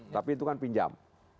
tapi itu kan pinjam